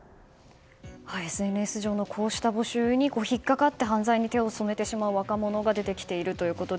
ＳＮＳ上のこうした募集に引っかかって犯罪に手を染めてしまう若者が出てきていると。